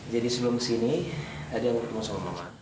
jadi sebelum kesini ada yang mau ketemu sama mama